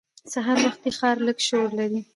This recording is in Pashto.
سهار وختي ښار لږ شور لري